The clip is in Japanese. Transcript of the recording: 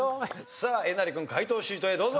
さあえなり君解答シートへどうぞ！